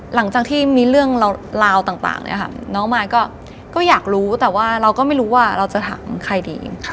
หลังจากที่มีเรื่องราวต่างน้องมายก็อยากรู้แต่ว่าเราก็ไม่รู้ว่าเราจะถามใครดี